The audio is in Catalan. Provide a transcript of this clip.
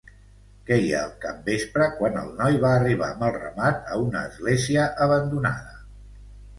Queia el capvespre quan el noi va arribar amb el ramat a una església abandonada.